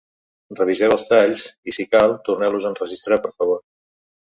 Reviseu els talls i, si cal, torneu-los a enregistrar, per favor.